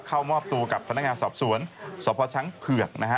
เข้ามอบตัวกับพนักงานสอบสวนสพช้างเผือกนะฮะ